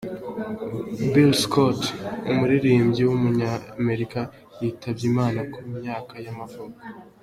Billy Scott, umuririmbyi w’umunyamerika yitabye Imana ku myaka y’amavuko.